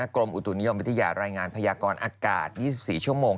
กรมอุตุนิยมวิทยารายงานพยากรอากาศ๒๔ชั่วโมง